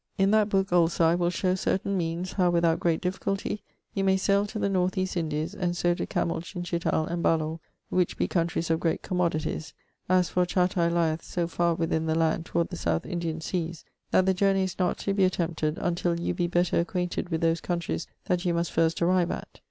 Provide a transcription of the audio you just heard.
In that book also I will show certain meanes how without great difficultie you may saile to the North east Indies and so to Camul Chinchital and Balor which be countries of great commodities; as for Chatai lieth so far within the land toward the South Indian seas that the journey is not to be attempted untill you be better acquainted with those countries that you must first arrive at.